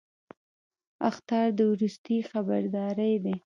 اخطار د وروستي خبرداری دی